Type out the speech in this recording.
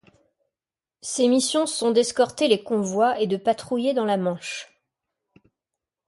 Ses missions sont d'escorter les convois et de patrouiller dans la Manche.